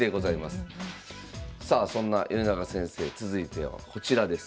さあそんな米長先生続いてはこちらです。